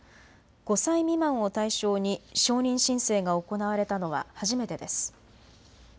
５歳未満を対象に承認申請が行われたのは初めてです。